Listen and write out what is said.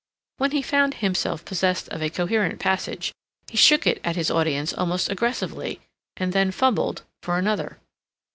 When he found himself possessed of a coherent passage, he shook it at his audience almost aggressively, and then fumbled for another.